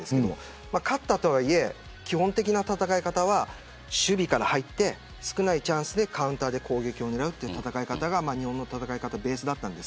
ただ、勝ったとはいえ基本的な戦い方は守備から入って少ないチャンスでカウンターで攻撃を狙うというのがベースでした。